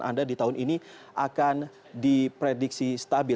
anda di tahun ini akan diprediksi stabil